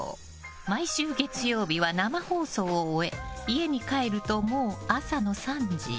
毎週月曜日は生放送を終え家に帰ると、もう朝の３時。